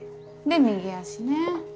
で右足ね。